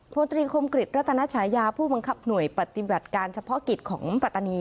พลตรีคมกริจรัตนชายาผู้บังคับหน่วยปฏิบัติการเฉพาะกิจของปัตตานี